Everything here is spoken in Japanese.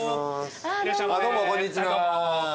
どうもこんにちは。